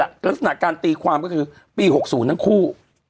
ลักษณะการตีความก็คือปี๖๐ทั้งคู่